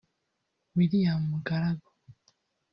William Mugaragu (Ecole des Sciences de Byimana)